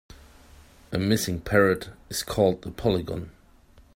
A missing parrot is called a polygon.